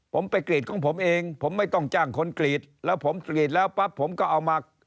ผมไปกรีดของผมเองผมไม่ต้องจ้างคนกรีดแล้วผมกรีดแล้วปั๊บผมก็เอามา